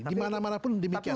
dimana mana pun demikian